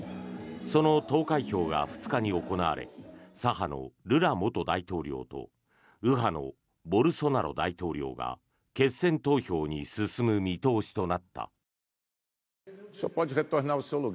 その投開票が２日に行われ左派のルラ元大統領と右派のボルソナロ大統領が決選投票に進む見通しとなった。